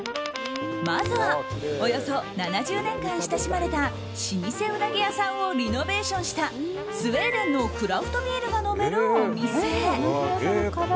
まずはおよそ７０年間親しまれた老舗ウナギ屋さんをリノベーションしたスウェーデンのクラフトビールが飲めるお店。